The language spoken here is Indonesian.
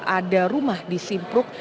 ada rumah di simpruk